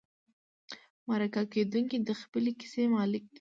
مرکه کېدونکی د خپلې کیسې مالک دی.